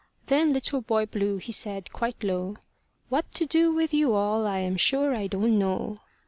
Then Little Boy Blue, he said, quite low, "What to do with you all I am sure I don't know."